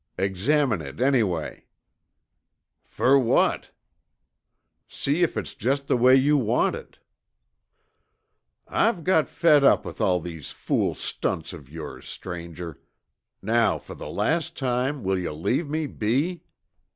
"Examine it anyway." "Fer what?" "See if it's just the way you want it!" "I've got fed up with all these fool stunts of yores, stranger. Now, for the last time, will yuh leave me be?"